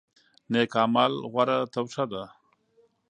نیک اعمال غوره توښه ده.